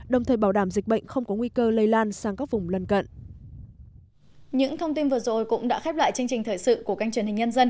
đồng thời bảo đảm dịch bệnh không có nguy cơ lây lan sang các vùng lần cận